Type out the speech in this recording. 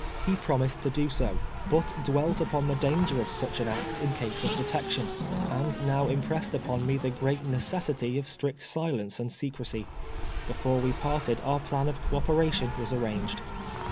He promised to do so, l)ut dwelt upon the danger of such an act in case of detection, and now impressed upon me the great necessity of strict silence and secresy. Before we parted our plan of operation was arranged.